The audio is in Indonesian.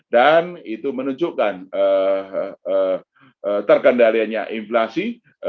dan itu menunjukkan terkendaliannya inflasi